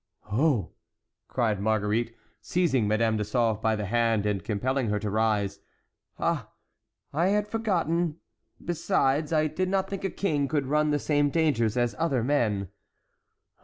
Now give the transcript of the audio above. "Oh!" cried Marguerite, seizing Madame de Sauve by the hand, and compelling her to rise; "ah! I had forgotten; besides, I did not think a king could run the same dangers as other men."